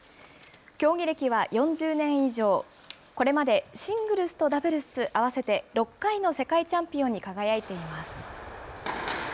競技歴は４０年以上、これまで、シングルスとダブルス合わせて６回の世界チャンピオンに輝いています。